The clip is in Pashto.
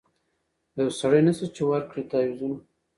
یو سړی نسته چي ورکړي تعویذونه